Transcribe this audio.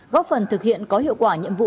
góp phần thực hiện có hiệu quả nhiệm vụ